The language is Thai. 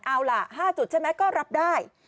เอาล่ะ๕จุดใช่ไหมก็รับได้